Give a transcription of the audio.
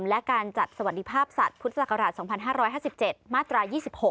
และการจัดสวัสดิภาพสัตว์พุทธศักราช๒๕๕๗มาตรา๒๖